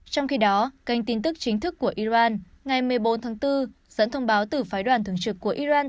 trong khi đó kênh tin tức chính thức của iran ngày một mươi bốn tháng bốn dẫn thông báo từ phái đoàn thường trực của iran